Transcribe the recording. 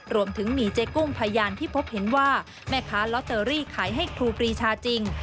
รวมถึงมีเจ๊กุ้งพยานที่พบเห็นว่าแม่ค้าลอตเตอรี่ขายให้ครูปรีชาจริง